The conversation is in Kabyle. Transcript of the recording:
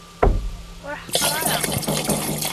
Ur ḥeqqer ara.